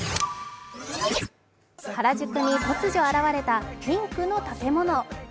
原宿に突如現れたピンクの建物。